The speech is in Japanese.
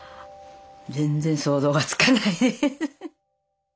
全然想像がつかない。